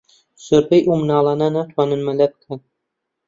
زۆربەی ئەو منداڵانە ناتوانن مەلە بکەن.